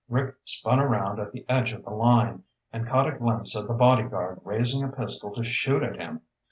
Rick spun around at the end of the line, and caught a glimpse of the bodyguard raising a pistol to shoot at him!